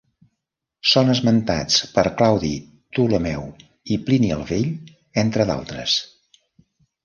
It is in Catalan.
Són esmentats per Claudi Ptolemeu i Plini el Vell entre d'altres.